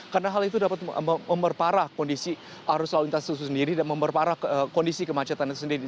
karena hal itu dapat memperparah kondisi arus lalu lintas itu sendiri dan memperparah kondisi kemacetan itu sendiri